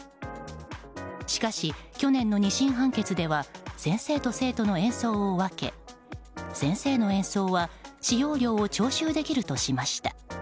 しかし、去年の２審判決では先生と生徒の演奏を分け先生の演奏は使用料を徴収できるとしました。